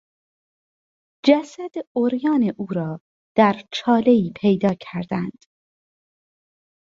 جسد عریان او را در چالهای پیدا کردند.